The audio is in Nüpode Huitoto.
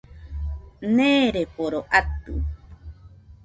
Neereforo atɨ